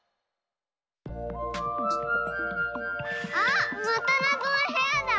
あまたなぞのへやだ！